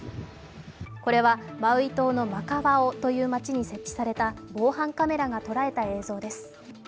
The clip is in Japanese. これはマウイ島のマカワオという町に設置された防犯カメラが捉えた映像です。